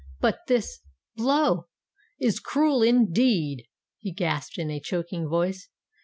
"But this blow—is cruel—indeed!" he gasped in a choking voice.